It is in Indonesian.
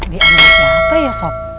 dia ambil siapa ya sob